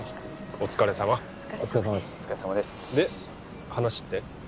お疲れさまですで話って？